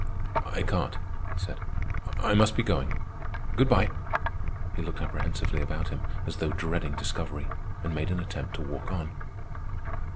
"I can't," he said, "I must be going. Good by." He looked apprehensively about him, as though dreading discovery, and made an attempt to walk on.